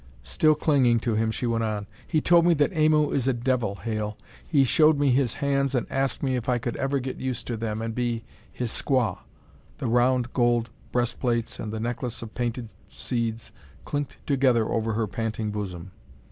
Still clinging to him, she went on. "He told me that Aimu is a devil, Hale. He showed me his hands and asked me if I could ever get used to them and be his squaw." The round gold breastplates and the necklace of painted seeds clinked together over her panting bosom.